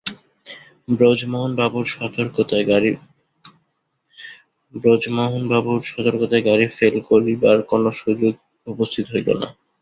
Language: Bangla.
ব্রজমোহনবাবুর সতর্কতায় গাড়ি ফেল করিবার কোনোই সুযোগ উপস্থিত হইল না।